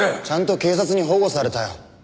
ちゃんと警察に保護されたよ。